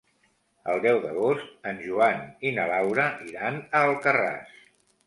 El deu d'agost en Joan i na Laura iran a Alcarràs.